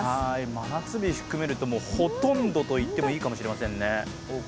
真夏日含めるとほとんどと言ってもいいかもしれませんね。